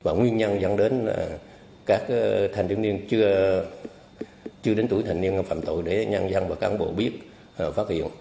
và nguyên nhân dẫn đến là các thanh thiếu niên chưa đến tuổi thanh niên phạm tội để nhân dân và cán bộ biết phát hiện